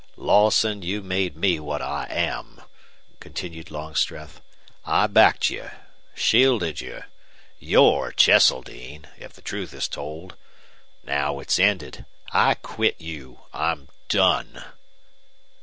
"Lawson, you made me what I am," continued Longstreth. "I backed you shielded you. YOU'RE Cheseldine if the truth is told! Now it's ended. I quit you. I'm done!"